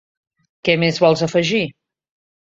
Què més vols afegir?